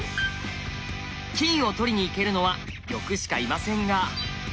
金を取りにいけるのは玉しかいませんが。